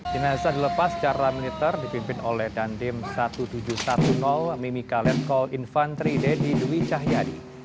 jenazah dilepas secara militer dipimpin oleh dandim seribu tujuh ratus sepuluh mimika letkol infantri dedy dwi cahyadi